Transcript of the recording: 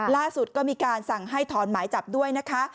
ล่าสุดก็มีการสั่งให้ถอนหมายจับด้วยนะคะ